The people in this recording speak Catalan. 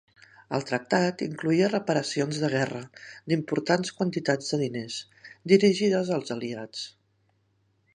El tractat incloïa "reparacions de guerra" d'importants quantitats de diners, dirigides als aliats.